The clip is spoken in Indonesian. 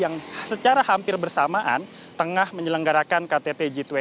yang secara hampir bersamaan tengah menyelenggarakan ktt g dua puluh